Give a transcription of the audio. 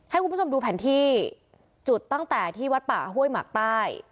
ให้คุณผู้ชมดูแผนที่จุดตั้งแต่ที่วัดป่าห้วยหมักใต้